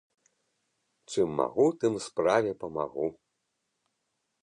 Чым магу, тым справе памагу.